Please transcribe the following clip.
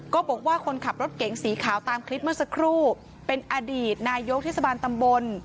ก็บอกว่าคนขับรถเก๋งสีขาวตามคลิปเมื่อสักครู่เป็นอดีตนายกเทศบาลตำบล